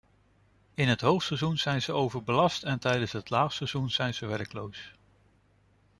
In het hoogseizoen zijn ze overbelast en tijdens het laagseizoen zijn ze werkloos.